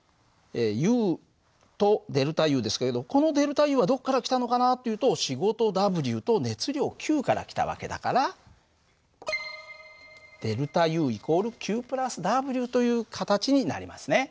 ＵとΔＵですけれどこのΔＵはどこから来たのかなっていうと仕事Ｗと熱量Ｑから来た訳だからΔＵ＝Ｑ＋Ｗという形になりますね。